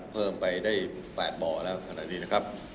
เพิ่มไปได้๘เบาะและขนาดนี้นะครับ